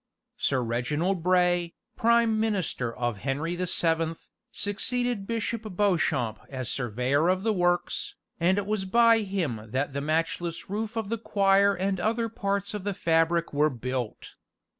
Sir Reginald Bray, prime minister of Henry the Seventh, succeeded Bishop Beauchamp as surveyor of the works, and it was by him that the matchless roof of the choir and other parts of the fabric were built.